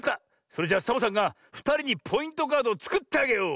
それじゃサボさんがふたりにポイントカードをつくってあげよう！